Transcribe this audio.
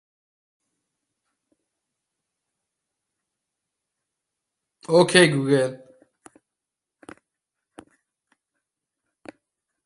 متوحشانه